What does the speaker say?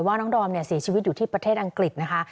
น้องดอมเนี่ยเสียชีวิตอยู่ที่ประเทศอังกฤษนะคะ